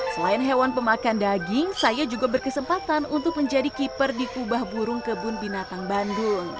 selain hewan pemakan daging saya juga berkesempatan untuk menjadi keeper di kubah burung kebun binatang bandung